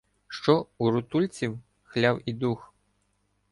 Що у рутульців хляв і дух.